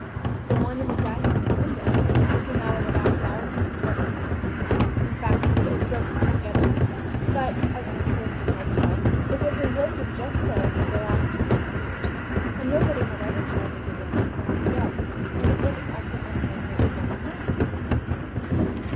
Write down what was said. The one on the dining room window, looking out on the back yard, wasn't; in fact, it was broken altogether; but, as Miss Calista told herself, it had been broken just so for the last six years, and nobody had ever tried to get in at it yet, and it wasn't likely anyone would begin tonight.